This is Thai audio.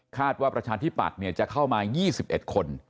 คาดว่าประชาชนที่ปัดจะเข้ามา๒๑คน